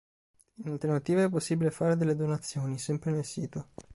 In alternativa è possibile fare delle donazioni, sempre nel sito.